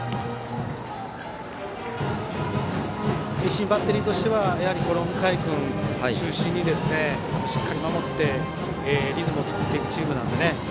盈進バッテリーとしては向井君を中心にしっかり守ってリズムを作っていくチームなので。